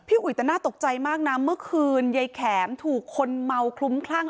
อุ๋ยแต่น่าตกใจมากนะเมื่อคืนยายแข็มถูกคนเมาคลุ้มคลั่ง